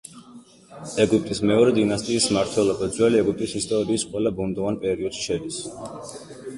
ეგვიპტის მეორე დინასტიის მმართველობა ძველი ეგვიპტის ისტორიის ყველა ბუნდოვან პერიოდში შედის.